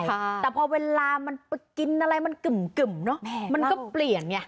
แต่พอเวลามันไปกินอะไรมันกึ่มเนอะมันก็เปลี่ยนไง